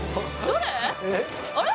どれ？